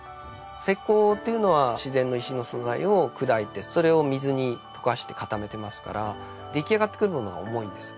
石膏っていうのは自然の石の素材を砕いてそれを水に溶かして固めてますから出来上がってくるものが重いんですよ。